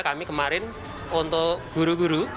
kami kemarin untuk guru guru